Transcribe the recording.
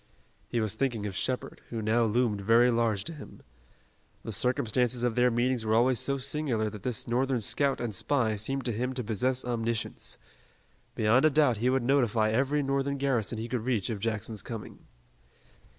He was thinking of Shepard, who now loomed very large to him. The circumstances of their meetings were always so singular that this Northern scout and spy seemed to him to possess omniscience. Beyond a doubt he would notify every Northern garrison he could reach of Jackson's coming.